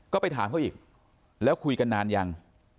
ก็ไปถามเขาอีกแล้วคุยกันนานยัง